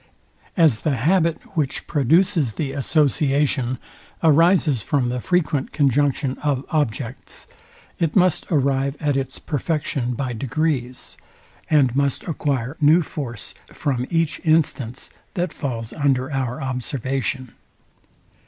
As the habit, which produces the association, arises from the frequent conjunction of objects, it must arrive at its perfection by degrees, and must acquire new force from each instance, that falls under our observation.